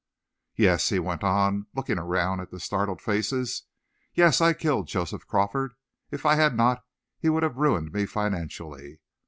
"Yes," he went on, looking around at the startled faces. "Yes, I killed Joseph Crawford. If I had not, he would have ruined me financially.